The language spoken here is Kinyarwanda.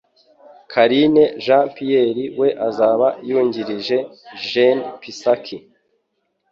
Karine Jean Pierre we azaba yungirije Jen Psaki